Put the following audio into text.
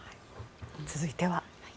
続いては。